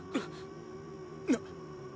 なっ。